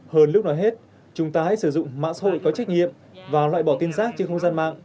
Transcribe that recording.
hơn lúc nào hết chúng ta hãy sử dụng mạng xã hội có trách nhiệm và loại bỏ tin rác trên không gian mạng